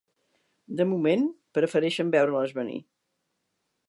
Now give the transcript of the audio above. De moment, prefereixen veure-les venir.